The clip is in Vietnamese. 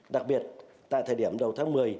đặc biệt tại thời điểm đầu tháng một mươi